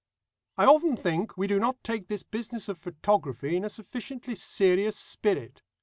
"I often think we do not take this business of photography in a sufficiently serious spirit.